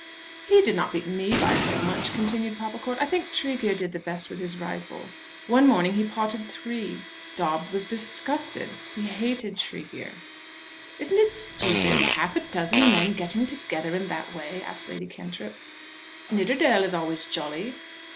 "He did not beat me by so much," continued Popplecourt. "I think Tregear did the best with his rifle. One morning he potted three. Dobbes was disgusted. He hated Tregear." "Isn't it stupid, half a dozen men getting together in that way?" asked Lady Cantrip. "Nidderdale is always jolly."